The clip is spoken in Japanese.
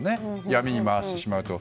闇に回してしまうと。